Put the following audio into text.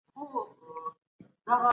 کمپيوټر محدوديت لري.